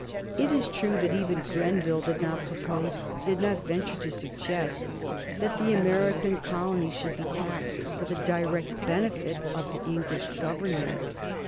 It is true that even Grenville did not propose, did not venture to suggest that the American colonies should be taxed for the direct benefit of the English Government.